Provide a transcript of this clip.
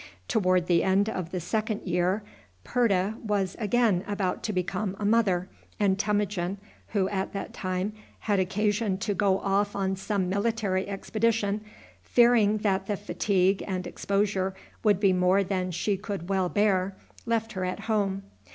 Toward the end of the second year Purta was again about to become a mother, and Temujin, who at that time had occasion to go off on some military expedition, fearing that the fatigue and exposure would be more than she could well bear, left her at home.